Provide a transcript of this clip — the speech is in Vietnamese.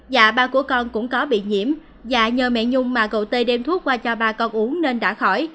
dạ ba của con cũng có bị nhiễm dạ nhờ mẹ nhung mà cậu t đem thuốc qua cho ba con uống nên đã khỏi